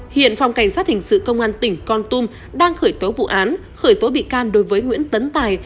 hiện phòng cảnh sát hình sự công an tỉnh con tum đang khởi tố vụ án khởi tố bị can đối với nguyễn tấn tài